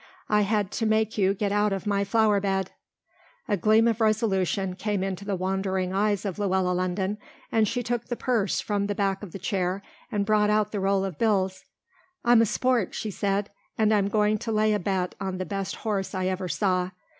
"I had to make you get out of my flower bed." A gleam of resolution came into the wandering eyes of Luella London and she took the purse from the back of the chair and brought out the roll of bills. "I'm a sport," she said, "and I'm going to lay a bet on the best horse I ever saw.